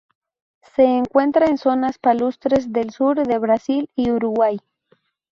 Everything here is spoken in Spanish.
Se encuentra en zonas palustres del sur de Brasil y Uruguay.